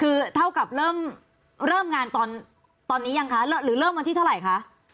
คือเท่ากับเริ่มงานตอนนี้ยังคะหรือเริ่มวันที่เท่าไหร่คะ